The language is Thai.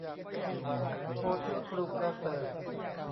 โพธิครูประเสริฐ